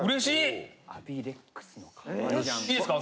いいですか？